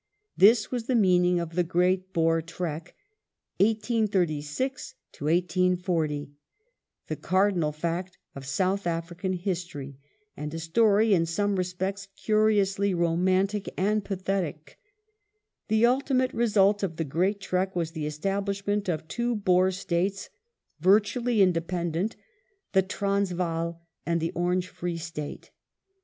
This was the meaning of the Great The Great Boer Trek (1836 1840)— the cardinal fact of South African history, ^°"^'^^ and a story, in some respects, curiously romantic and pathetic. The ultimate result of the Great Trek was the establishment of two Boer States virtually independent, the Transvaal and the Orange Free State.